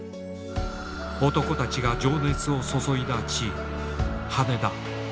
男たちが情熱を注いだ地羽田。